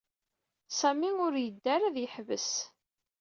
Sami ur yedda ara ad yeḥbes.